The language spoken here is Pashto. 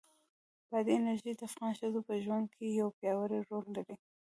بادي انرژي د افغان ښځو په ژوند کې یو پیاوړی رول لري.